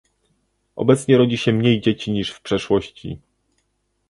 Obecnie rodzi się mniej dzieci niż w przeszłości